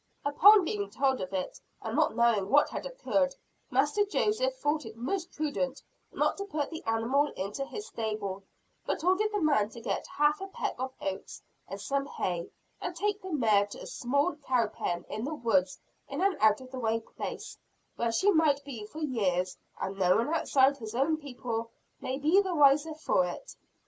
Upon being told of it, and not knowing what had occurred Master Joseph thought it most prudent not to put the animal into his stable, but ordered the man to get half a peck of oats, and some hay, and take the mare to a small cow pen, in the woods in an out of the way place, where she might be for years, and no one outside his own people be any the wiser for it.